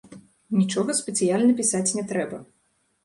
Нічога спецыяльна пісаць не трэба.